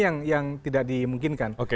yang tidak dimungkinkan